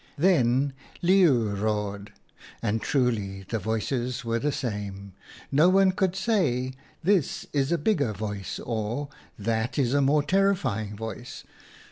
" Then Leeuw roared, and truly the voices were the same. No one could say, ' This is a bigger voice/ or * That is a more terrifying voice.'